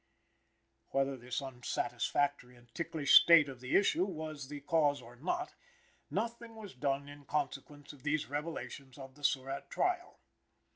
Whether this unsatisfactory and ticklish state of the issue was the cause or not, nothing was done in consequence of these revelations of the Surratt trial.